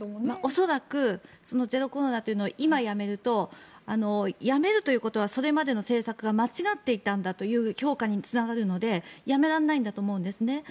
恐らくゼロコロナというのは今、やめるとやめるということはそれまでの政策が間違っていたんだという評価につながるのでやめられないんだと思うんですね。